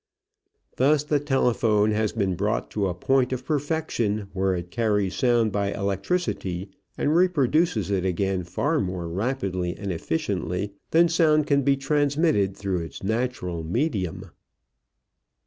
Thus the telephone has been brought to a point of perfection where it carries sound by electricity and reproduces it again far more rapidly and efficiently than sound can be transmitted through its natural medium.